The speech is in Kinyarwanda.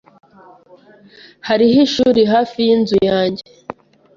Hariho ishuri hafi yinzu yanjye.